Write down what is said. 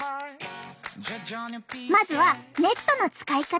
まずはネットの使い方。